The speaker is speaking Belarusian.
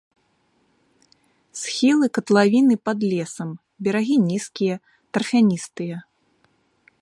Схілы катлавіны пад лесам, берагі нізкія, тарфяністыя.